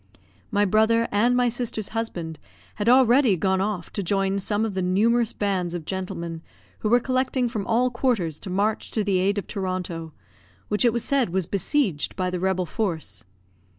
My brother and my sister's husband had already gone off to join some of the numerous bands of gentlemen who were collecting from all quarters to march to the aid of Toronto, which it was said was besieged by the rebel force.